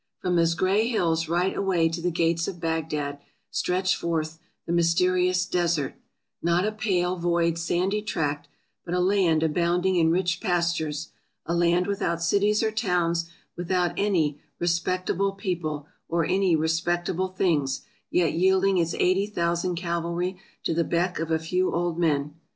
'' From those gray hills right away to the gates of Bagdad stretched forth the mysterious " Desert "— not a pale, void, sandy tract, but a land abounding in rich pastures— a land without cities or towns, without any " respectable " people, or any "respectable " things, yet yielding its 80,000 cavalry to the beck of a few old men.